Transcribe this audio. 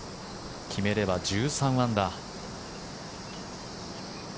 決めれば１３アンダー。